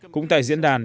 cũng tại diễn đàn